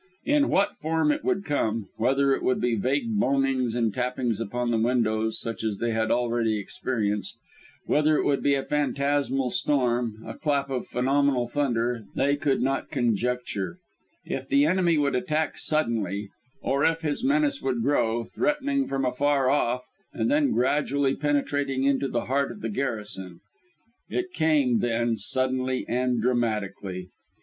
In what form it would come whether it would be vague moanings and tappings upon the windows, such as they had already experienced, whether it would be a phantasmal storm, a clap of phenomenal thunder they could not conjecture, if the enemy would attack suddenly, or if his menace would grow, threatening from afar off, and then gradually penetrating into the heart of the garrison. It came, then, suddenly and dramatically.